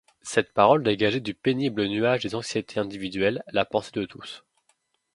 Cette parole dégageait du pénible nuage des anxiétés individuelles la pensée de tous.